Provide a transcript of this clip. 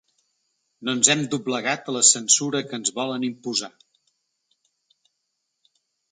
No ens hem doblegat a la censura que ens volen imposar.